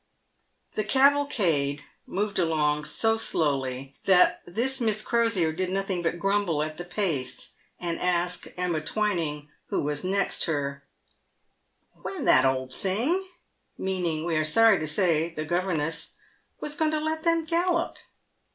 The cavalcade moved along so slowly that this Miss Crosier did nothing but grumble at the pace, and ask Emma Twining, who was next her, " When that old thing" — meaning, we are sorry to say, the governess —" was going to let them gallop